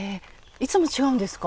いつも違うんですか？